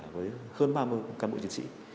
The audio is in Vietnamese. với hơn ba mươi cán bộ chiến sĩ